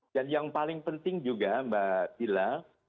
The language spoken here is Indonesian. dan yang paling penting juga mbak dila